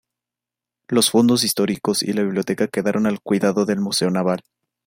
Los fondos históricos y la biblioteca quedaron al cuidado del Museo Naval.